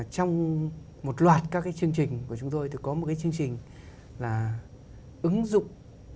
trong một loạt các chương trình của chúng tôi có một chương trình là ứng dụng